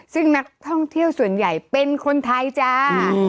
ซึ่งนักท่องเที่ยวส่วนใหญ่เป็นคนไทยจ้า